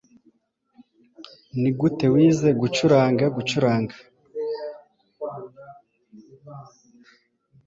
nigute wize gucuranga gucuranga